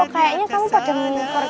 oh kayaknya kamu pacar minyak korek